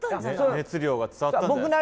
熱量が伝わったんじゃないですか？